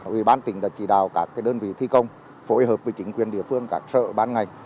ủy ban tỉnh đã chỉ đạo các đơn vị thi công phối hợp với chính quyền địa phương các sở ban ngành